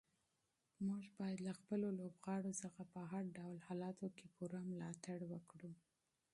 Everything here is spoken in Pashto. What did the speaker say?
موږ باید له خپلو لوبغاړو څخه په هر ډول حالاتو کې پوره ملاتړ وکړو.